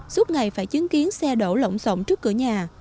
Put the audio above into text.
suốt ngày phải chứng kiến xe đậu lộng rộng trước cửa nhà